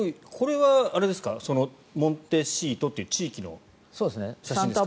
モンテシートという地域の写真ですか。